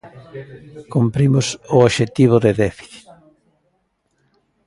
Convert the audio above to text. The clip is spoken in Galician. Cumprimos o obxectivo de déficit.